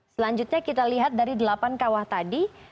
selanjutnya kita lihat dari delapan kawah tadi